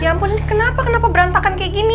ya ampun ini kenapa kenapa berantakan kayak gini